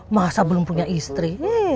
masa belum punya istri